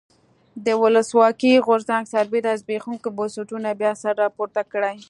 د ولسواکۍ غورځنګ سربېره زبېښونکي بنسټونه بیا سر راپورته کړي.